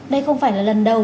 đây không phải là lần đầu